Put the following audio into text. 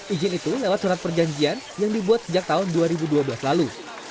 izin itu lewat surat perjanjian yang dibuat sejak tahun dua ribu dua belas lalu